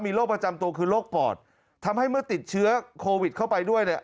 โรคประจำตัวคือโรคปอดทำให้เมื่อติดเชื้อโควิดเข้าไปด้วยเนี่ย